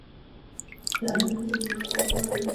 ، اور جیسا بوئیں گے ویسا ہی کاٹنا پڑے گا